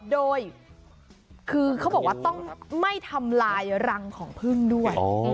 โดยคือเขาบอกว่าต้องไม่ทำลายรังของพึ่งด้วย